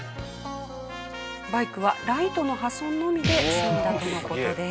バイクはライトの破損のみで済んだとの事です。